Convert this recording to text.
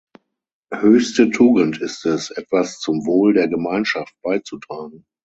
Höchste Tugend ist es, etwas zum Wohl der Gemeinschaft beizutragen.